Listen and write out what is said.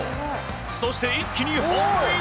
そして一気にホームイン。